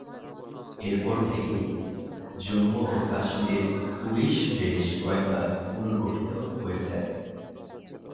এরপর থেকেই জম্মু ও কাশ্মীরের পুলিশ বেশ কয়েকবার পুনর্গঠিত হয়েছে।